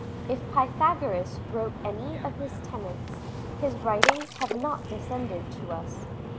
If Pythagoras wrote any of his tenets, his writings have not descended to us.